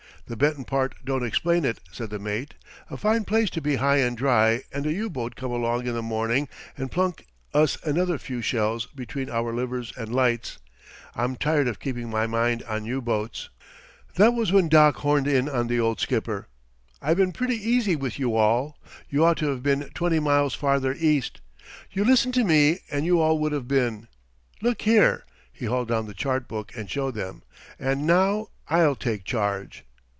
"The bettin' part don't explain it," said the mate. "A fine place to be high and dry and a U boat come along in the morning and plunk us another few shells between our livers and lights. I'm tired of keeping my mind on U boats." That was when Doc horned in on the old skipper. "I been pretty easy with you all. You ought to been twenty miles farther east. You listened to me and you all would have been. Look here" he hauled down the chart book and showed them. "And now I'll take charge."